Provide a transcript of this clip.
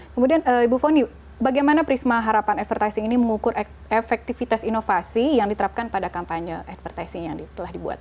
kemudian ibu foni bagaimana prisma harapan advertising ini mengukur efektivitas inovasi yang diterapkan pada kampanye advertising yang telah dibuat